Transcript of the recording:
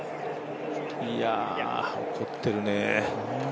いや、怒ってるね。